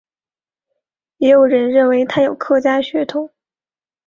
也有人认为他有客家血统。